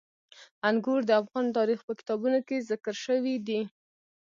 انګور د افغان تاریخ په کتابونو کې ذکر شوی دي.